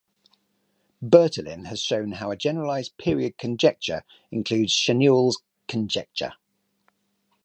Bertolin has shown how a generalised period conjecture includes Schanuel's conjecture.